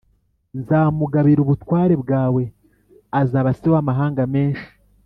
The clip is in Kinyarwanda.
nzamugabira ubutware bwawe azaba se w’amahanga menshi